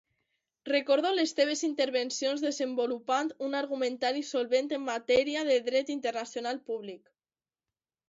Recordo les teves intervencions desenvolupant un argumentari solvent en matèria de dret internacional públic.